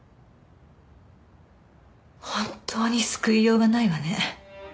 本当に救いようがないわね。